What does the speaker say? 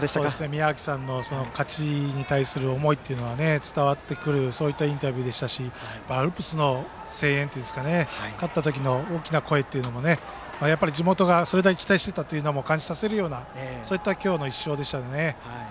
宮秋さんの勝ちに対する思いも伝わってくるインタビューでしたしアルプスの声援というか勝った時の大きな声も地元がそれだけ期待してたのを感じさせるようなそういった今日の１勝でしたね。